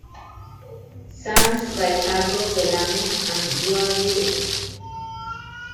Songs by Carlos del Amo and Lua Rios.